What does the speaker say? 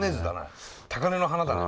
高根の花だな